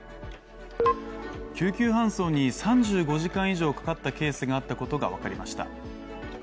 救急搬送に３５時間以上かかったケースがあったことが分かりました。